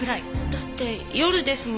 だって夜ですもん。